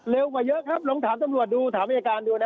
กว่าเยอะครับลองถามตำรวจดูถามอายการดูนะ